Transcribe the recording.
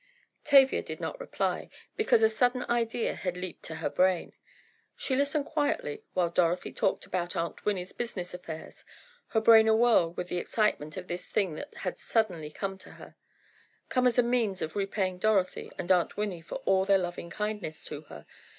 Tavia did not reply, because a sudden idea had leaped to her brain. She listened quietly while Dorothy talked about Aunt Winnie's business affairs, her brain awhirl with the excitement of this thing that had suddenly come to her; come as a means of repaying Dorothy and Aunt Winnie for all their loving kindness to her.